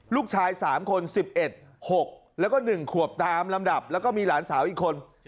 ลูกชาย๓คน๑๑๖แล้วก็๑ขวบตามลำดับแล้วก็มีหลานสาวอีกคน